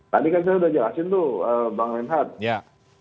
tadi kan saya sudah jelasin tuh bang reinhardt